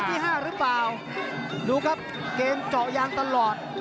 ที่ห้าหรือเปล่าดูครับเกมเจาะยางตลอด